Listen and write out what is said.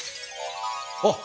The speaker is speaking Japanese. あっ！